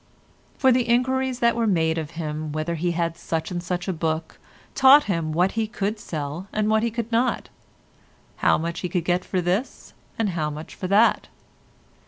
For the enquiries that were made of him whether he had such and such a book taught him what he could sell and what he could not; how much he could get for this, and how much for that.